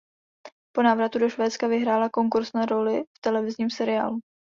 Po návratu do Švédska vyhrála konkurz na roli v televizním seriálu.